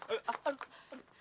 kerjain lah kerjain